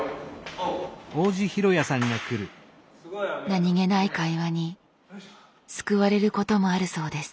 何気ない会話に救われることもあるそうです。